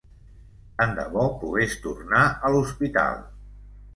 Tant de bo pogués tornar a l'hospital.